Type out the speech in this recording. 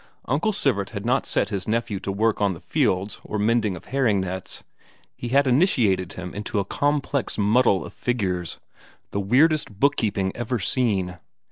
Uncle Sivert had not set this nephew to work on the fields or mending of herring nets; he had initiated him into a complex muddle of figures, the weirdest book keeping ever seen.